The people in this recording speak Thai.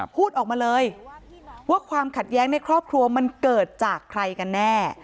พูดออกมาเลยว่าความขัดแย้งในครอบครัวมันเกิดจากใครกันแน่